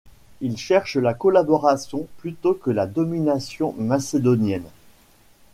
Il cherche la collaboration plutôt que la domination macédonienne.